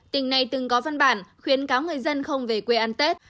tỉnh này từng có văn bản khuyến cáo người dân không về quê ăn tết